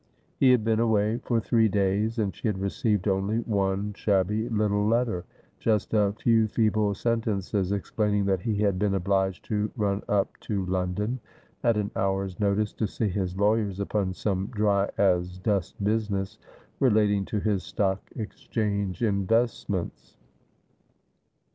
He had been away for three days, and she had received only one shabby little letter — just a few feeble sentences explaining that he had been obliged to run up to London at an hour's notice to see his lawyers upon some dry as dust business relating to his Stock Exchange investments.